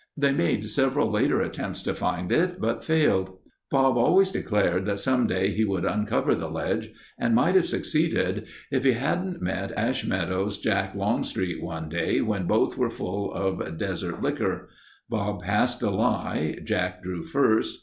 They made several later attempts to find it, but failed. Bob always declared that some day he would uncover the ledge and might have succeeded if he hadn't met Ash Meadows Jack Longstreet one day when both were full of desert likker. Bob passed the lie. Jack drew first.